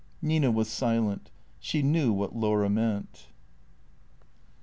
Nina was silent. She knew what Laura meant.